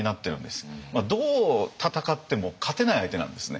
どう戦っても勝てない相手なんですね。